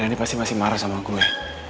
benani pasti masih marah sama gue